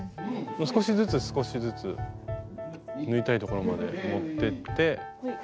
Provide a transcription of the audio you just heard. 少しずつ少しずつ。縫いたい所まで持ってって。